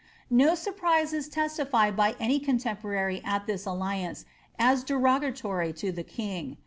^''' No surprise is testified by any contemporary at thia alliance as dero gatory to the king.